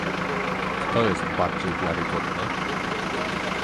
Kto jest bardziej wiarygodny?